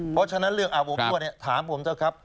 เพราะฉะนั้นเรื่องอาบทั่วถามผมเถอะครับ